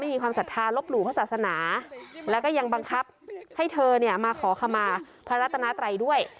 มีความศรัทธาลบหลู่พระศาสนาแล้วก็ยังบังคับให้เธอเนี่ยมาขอขมาพระรัตนาไตรด้วย